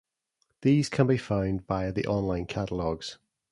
These can be found via the online catalogues.